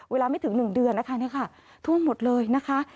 เวลาไม่ถึง๑เดือนนะคะท่วมหมดเลยนะคะ